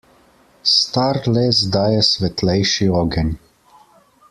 Star les daje svetlejši ogenj.